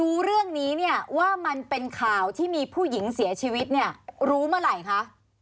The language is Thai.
หรือหญิงเสียชีวิตเนี่ยรู้เมื่อไหร่ค่ะ